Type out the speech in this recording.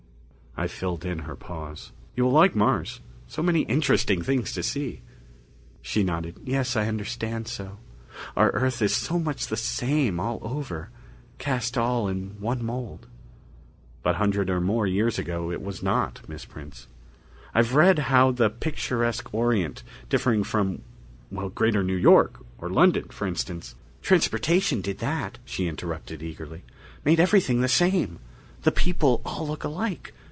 I filled in her pause. "You will like Mars. So many interesting things to see." She nodded. "Yes, I understand so. Our Earth is so much the same all over, cast all in one mould." "But a hundred or more years ago, it was not, Miss Prince. I have read how the picturesque Orient, differing from ... well, Greater New York or London, for instance " "Transportation did that," she interrupted eagerly. "Made everything the same the people all look alike